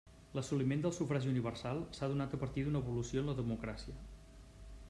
L'assoliment del sufragi universal s'ha donat a partir d'una evolució en la democràcia.